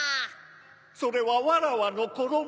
それはわらわのころも。